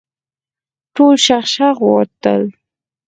ټول شغ شغ ووتل.